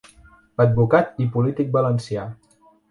Advocat i polític valencià.